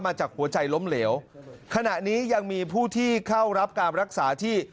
จากหัวใจล้มเหลวขณะนี้ยังมีผู้ที่เข้ารับการรักษาที่